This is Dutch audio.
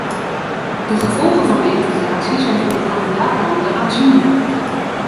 De gevolgen van de integratie zijn voor de kandidaat-landen aanzienlijk.